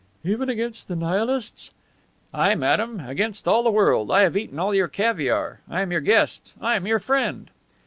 "Even against the Nihilists!" "Aye, madame, against all the world. I have eaten all your caviare. I am your guest. I am your friend."